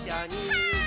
はい。